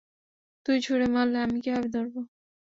তুই ছুঁড়ে মারলে, আমি কিভাবে ধরব?